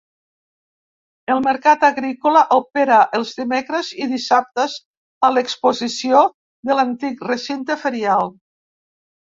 El mercat agrícola opera els dimecres i dissabtes a l'exposició de l'antic recinte ferial.